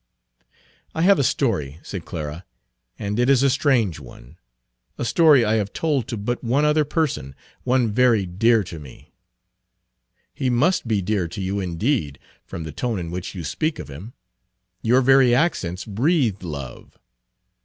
"I have a story," said Clara, "and it is a strange one, a story I have told to but one other person, one very dear to me." "He must be dear to you indeed, from the tone in which you speak of him. Your very accents breathe love."